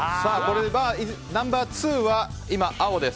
ナンバー２は今、青です。